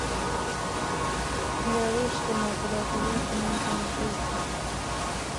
بیاوېش د برابرۍ په نوم تناقض دی.